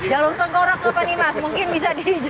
jalur tengkorak apa nih mas mungkin bisa dijelaskan